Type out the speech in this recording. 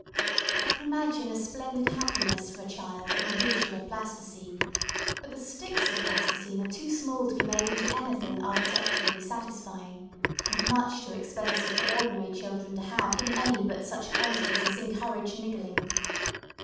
I can imagine a splendid happiness for a child in a bushel of plasticine but the sticks of plasticine are too small to be made into anything architecturally satisfying; and much too expensive for ordinary children to have in any but such quantities as encourage niggling.